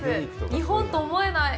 日本と思えない。